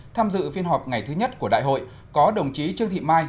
tham dự phiên họp ngày thứ nhất của đại hội có đồng chí trương thị mai